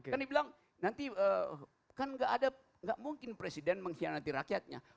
kan dibilang nanti enggak ada enggak mungkin presiden mengkhianati rakyatnya